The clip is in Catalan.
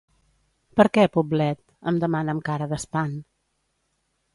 Per què Poblet? —em demana amb cara d'espant.